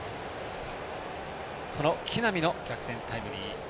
この木浪の逆転タイムリー。